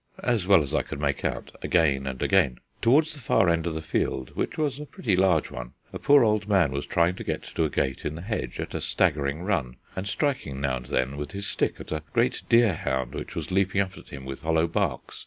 as well as I could make out, again and again. Towards the far end of the field, which was a pretty large one, a poor old man was trying to get to a gate in the hedge at a staggering run, and striking now and then with his stick at a great deer hound which was leaping up at him with hollow barks.